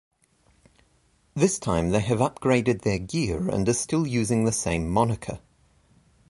This time, they have upgraded their gear and are still using the same moniker.